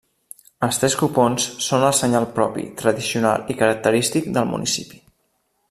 Els tres copons són el senyal propi, tradicional i característic del municipi.